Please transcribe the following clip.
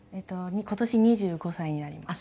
今年２５歳になります。